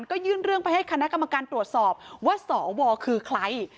ก็ยื่นเรื่องไปให้คณะกรรมการตรวจสอบว่าสวคือใคร